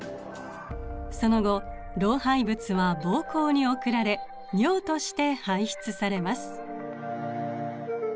その後老廃物はぼうこうに送られ尿として排出されます。